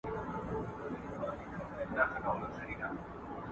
اراده وکړئ.